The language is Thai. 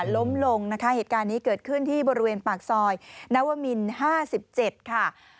ล้มลงนะคะเหตุการณ์นี้เกิดขึ้นที่บริเวณปากซอยนวมิน๕๗ค่ะ